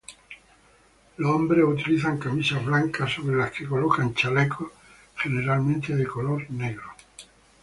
Los hombres utilizan camisas blancas sobre las que colocan chalecos, generalmente de color negro.